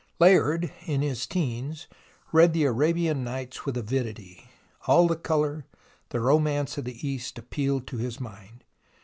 Layard in his teens read the Arabian Nights with avidity. All the colour, the romance of the East appealed to his mind.